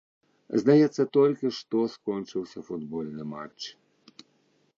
Здаецца, толькі што скончыўся футбольны матч.